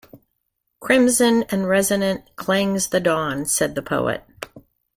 "Crimson and resonant clangs the dawn," said the poet.